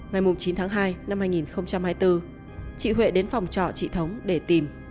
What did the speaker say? ngày chín tháng hai năm hai nghìn hai mươi bốn chị huệ đến phòng trọ chị thống để tìm